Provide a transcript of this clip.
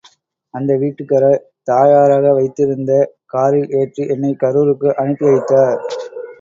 அந்த வீட்டுக்காரர் தாயாராக வைத்திருந்த காரில் ஏற்றி என்னை கரூருக்கு அனுப்பி வைத்தார்.